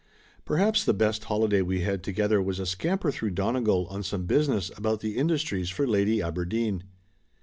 Perhaps the best holiday we had together was a scamper through Donegal on some business about the industries for Lady Aberdeen.